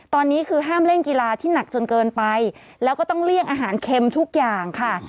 ตอนนี้คือห้ามเล่นกีฬาที่หนักจนเกินไปแล้วก็ต้องเลี่ยงอาหารเค็มทุกอย่างค่ะ